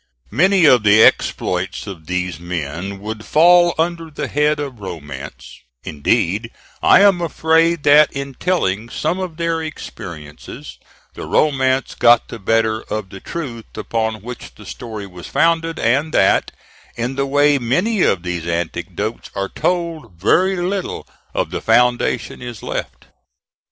Many of the exploits of these men would fall under the head of romance; indeed, I am afraid that in telling some of their experiences, the romance got the better of the truth upon which the story was founded, and that, in the way many of these anecdotes are told, very little of the foundation is left.